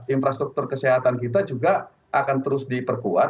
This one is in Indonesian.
infrastruktur kesehatan kita juga akan terus diperkuat